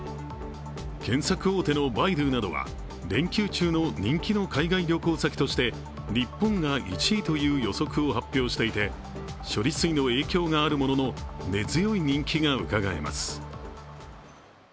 検索大手のバイドゥなどは連休中の人気の海外旅行先として日本が１位という予測を発表していて処理水の影響があるものの、根強い人気がうかがえます。